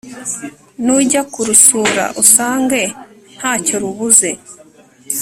nujya kurusura usange nta cyo rubuze